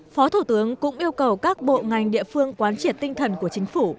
phó thủ tướng cũng yêu cầu các bộ ngành địa phương quán triệt tinh thần của chính phủ